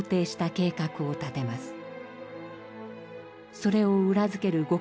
それを裏付ける極秘